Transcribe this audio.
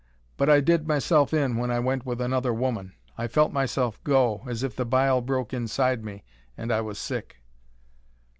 But I did myself in when I went with another woman. I felt myself go as if the bile broke inside me, and I was sick."